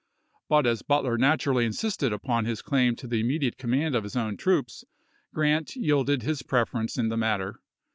But as Butler naturally insisted upon his claim to the immediate command of his own troops. Grant yielded his preference in the matter.